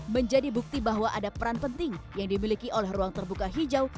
menjadi bukti bahwa ada peran penting yang dimiliki oleh ruang terbuka hijau